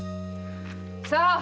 さあ！